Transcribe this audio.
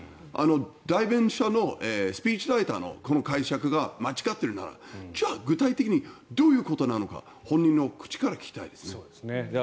代弁者のスピーチライターのこの解釈が間違っているならじゃあ具体的にどういうことなのか本人の口から聞きたいですね。